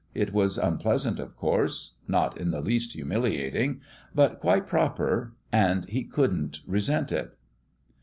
It was unpleasant, of course (not in the least humiliating) but quite proper. And he couldn't resent it.